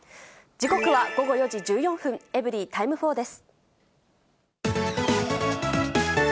時刻は午後４時１４分、エブリィタイム４です。